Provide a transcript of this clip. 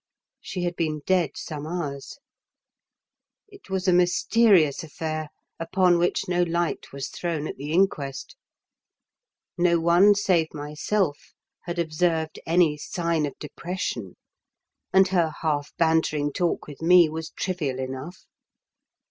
She had been dead some hours. It was a mysterious affair, upon which no light was thrown at the inquest. No one save myself had observed any sign of depression, and her half bantering talk with me was trivial enough.